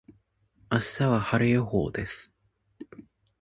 明日は晴れ予報です。